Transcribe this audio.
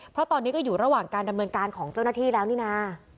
เพราะตอนนี้ก็อยู่ระหว่างการดำเนินการของเจ้าหน้าที่แล้วนี่นะ